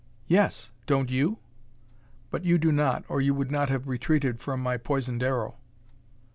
"Yes; don't you? But you do not, or you would not have retreated from my poisoned arrow."